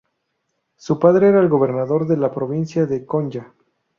Su padre era el gobernador de la provincia de Konya.